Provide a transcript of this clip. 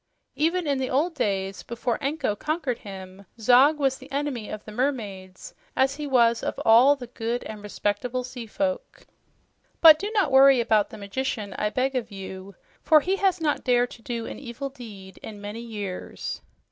Even in the old days, before Anko conquered him, Zog was the enemy of the mermaids, as he was of all the good and respectable seafolk. But do not worry about the magician, I beg of you, for he has not dared to do an evil deed in many, many years."